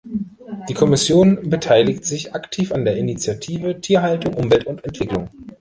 Die Kommission beteiligt sich aktiv an der Initiative Tierhaltung, Umwelt und Entwicklung.